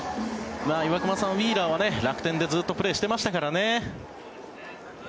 岩隈さん、ウィーラーは楽天でずっとプレーしてましたからね。